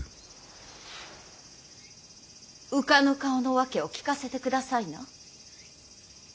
浮かぬ顔の訳を聞かせてくださいな。